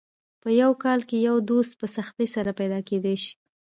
په یو کال کې یو دوست په سختۍ سره پیدا کېدای شي.